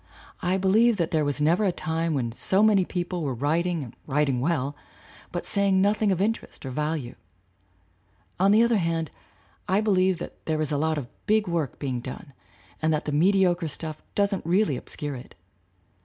I believe that there was never a time when so many people were writing and writing well, but saying noth ing of interest or value. On the other hand, I believe that there is a lot of big work being done and that the mediocre stuff doesn't really obscure it.